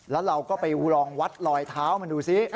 แล้วเราก็ไปลองวัดลอยเท้ามาดูซิ